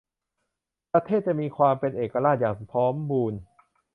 ประเทศจะมีความเป็นเอกราชอย่างพร้อมบูรณ์